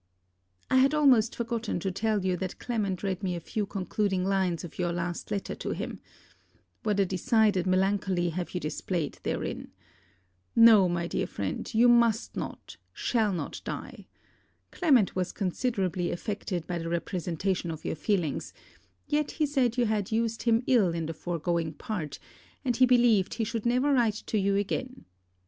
I had almost forgotten to tell you that Clement read me a few concluding lines of your last letter to him. What a decided melancholy have you displayed therein! No, my dear friend, you must not, shall not die. Clement was considerably affected by the representation of your feelings; yet he said you had used him ill in the foregoing part, and he believed he should never write to you again.